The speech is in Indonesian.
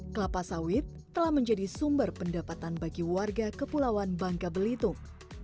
kelapa sawit telah menjadi sumber pendapatan bagi warga kepulauan bangka belitung